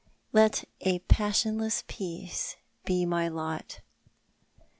LET A PASSIONLESS PEACE BE MY LOT."